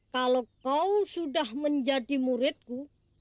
kalau kau sudah menjadi muridku